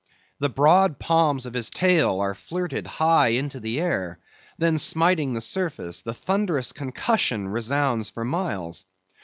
The broad palms of his tail are flirted high into the air; then smiting the surface, the thunderous concussion resounds for miles.